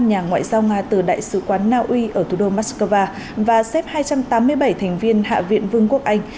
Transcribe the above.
nhà ngoại giao nga từ đại sứ quán naui ở thủ đô moscow và xếp hai trăm tám mươi bảy thành viên hạ viện vương quốc anh